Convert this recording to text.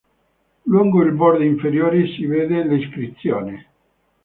Lungo il bordo inferiore si vede l'iscrizione.